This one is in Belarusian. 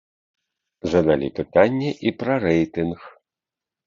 Задалі пытанне і пра рэйтынг.